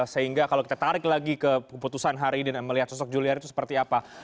sehingga kalau kita tarik lagi ke keputusan hari ini dan melihat sosok julia itu seperti apa